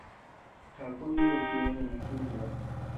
Chaku ikay tiba ñeʼe nanta yúkuu.